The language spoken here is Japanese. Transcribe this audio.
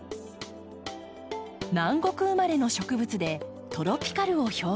南国生まれの植物でトロピカルを表現。